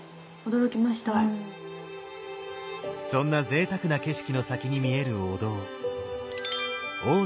そんなぜいたくな景色の先に見えるお堂